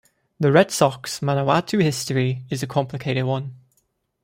The Red Sox Manawatu history is a complicated one.